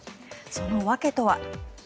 その訳とは。